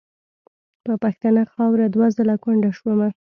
په پښتنه خاوره دوه ځله کونډه شومه .